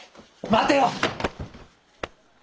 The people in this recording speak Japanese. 待てよ！